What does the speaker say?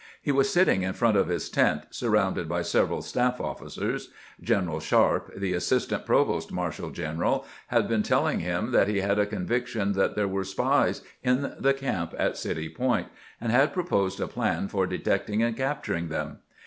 He was sitting in front of his tent, surrounded by several staffi ofl&cers. Greneral Sharpe, the assistant provost marshal general, had been telling him that he had a conviction that there were spies in the camp at City Point, and had proposed a plan for detecting and capturing them.